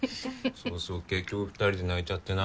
そうそう結局ふたりで泣いちゃってな。